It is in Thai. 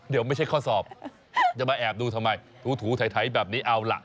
เดี๋ยวไม่ใช่ข้อสอบจะมาแอบดูทำไมถูไถแบบนี้เอาล่ะ